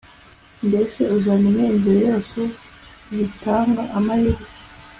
mbese uzamenya inzira zose zitanga amahirwe